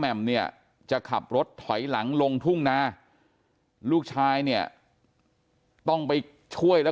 มเนี่ยจะขับรถถอยหลังลงทุ่งนาลูกชายเนี่ยต้องไปช่วยแล้ว